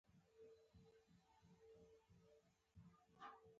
تر څو د ژوند د حفاظت لپاره نظام او اصول وضع کړو.